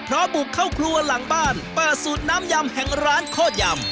เพราะบุกเข้าครัวหลังบ้านเปิดสูตรน้ำยำแห่งร้านโคตรยำ